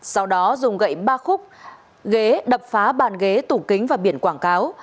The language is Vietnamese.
sau đó dùng gậy ba khúc ghế đập phá bàn ghế tủ kính và biển quảng cáo